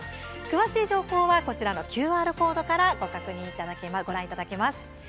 詳しい情報は、こちらのＱＲコードからご覧いただけます。